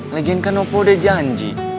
lagian kan opo udah janji